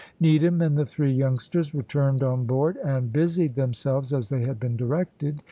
Needham and the three youngsters returned on board, and busied themselves as they had been directed.